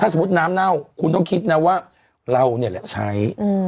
สมมุติน้ำเน่าคุณต้องคิดนะว่าเราเนี่ยแหละใช้